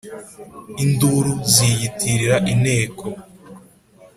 indura ziyitirira inteko